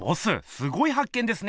すごいはっ見ですね！